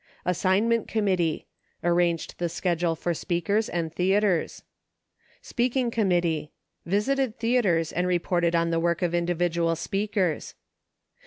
Assignment Committee. Arranged the schedule for speakers and theatres. Speaking Committee. Visited theatres and reported on the work of individual speakers.